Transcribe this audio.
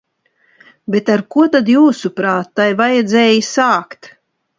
Bet ar ko tad, jūsuprāt, tai vajadzēja sākt?